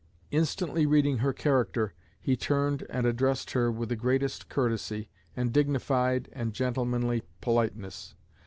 Instantly reading her character, he turned and addressed her with the greatest courtesy, and dignified and gentlemanly politeness.